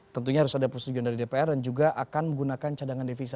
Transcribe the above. tentunya harus ada persetujuan dari dpr dan juga akan menggunakan cadangan devisa